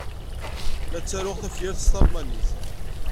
La ttaruɣ tafyirt s talmanit.